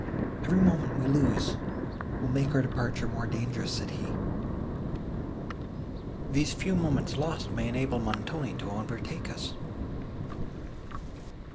"Every moment we lose, will make our departure more dangerous," said he: "these few moments lost may enable Montoni to overtake us."